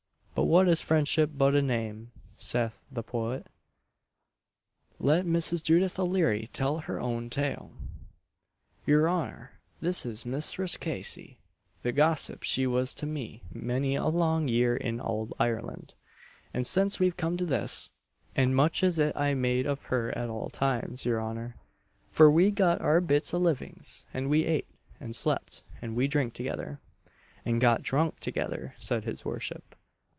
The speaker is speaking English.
"But what is friendship but a name!" saith the poet. Let Mrs. Judith O'Leary tell her own tale. "Yer honour, this is Misthress Casey the gossip she was to me many a long year in ould Ireland and since we comed to this; and much is it I made of her at all times, your honour for we got our bits o' livings, and we ate, and slept, and we drink't together" "And got drunk together," said his worship.